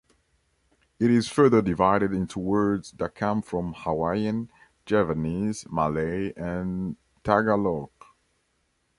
It is further divided into words that come from Hawaiian, Javanese, Malay, and Tagalog.